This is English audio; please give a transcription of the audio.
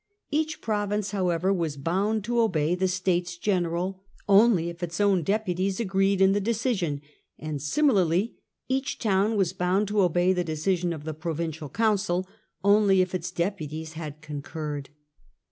Each province however was bound to obey the States General only if its own deputies agreed in the decision ; and similarly each town was bound to obey the decision of the Provincial Council only if its deputies had concurred.